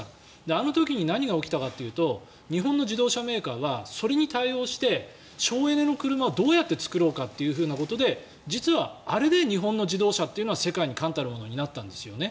あの時に何が起きたかというと日本の自動車メーカーはそれに対応して省エネの車をどうやって作ろうかということで実はあれで日本の自動車というのは世界に冠たるものになったんですね。